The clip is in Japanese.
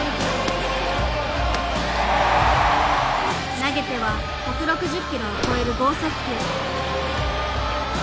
投げては１６０キロを超える剛速球。